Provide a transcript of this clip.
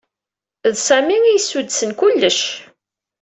D Sami a yessuddsen kullec.